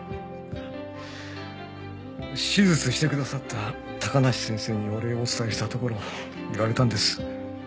手術してくださった高梨先生にお礼をお伝えしたところ言われたんです。